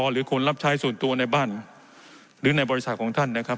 หรือคนรับใช้ส่วนตัวในบ้านหรือในบริษัทของท่านนะครับ